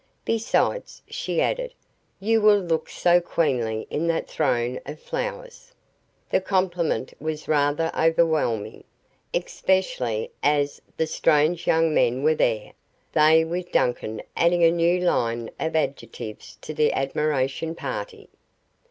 Besides," she added, "you will look so queenly in that throne of flowers." The compliment was rather overwhelming especially as the strange young men were there, they with Duncan adding a new line of adjectives to the admiration party.